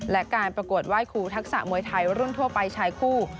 และการประกวดไหว้ครูทักษะมวยไทยรุ่นทั่วไปชายคู่